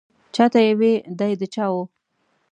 چا ته یې وې دی د چا و.